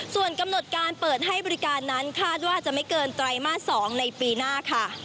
ส่วนกำหนดการเปิดให้บริการนั้นคาดว่าจะไม่เกินไตรมาส๒ในปีหน้าค่ะ